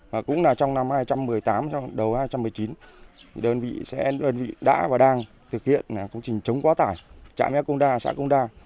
và cũng là trong năm hai nghìn một mươi tám đầu hai nghìn một mươi chín đơn vị đã và đang thực hiện công trình chống quá tải trạm biến áp công đa sản công đa